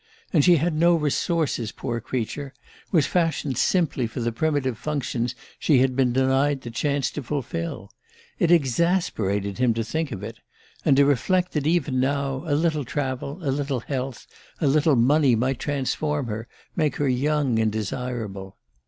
And she had no resources, poor creature, was fashioned simply for the primitive functions she had been denied the chance to fulfil! It exasperated him to think of it and to reflect that even now a little travel, a little health, a little money, might transform her, make her young and desirable...